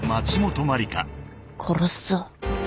殺すぞ。